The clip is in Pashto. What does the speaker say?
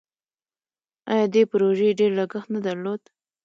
آیا دې پروژې ډیر لګښت نه درلود؟